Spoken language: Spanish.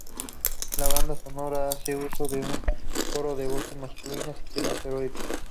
La banda sonora hace uso de un coro de voces masculinas y temas heroicos.